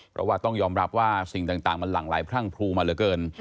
เพราะว่าต้องยอมรับว่าสิ่งต่างมันหลั่งไหลพรั่งพลูมาเหลือเกิน